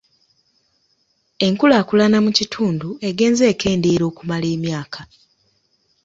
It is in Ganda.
Enkulaakulana mu kitundu egenze ekendeera okumala emyaka.